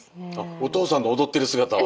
お父さんの踊ってる姿は？